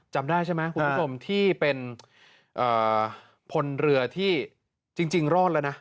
จำได้ใช่ไหมคุณผู้ชมที่เป็นพลเรือที่จริงรอดแล้วนะ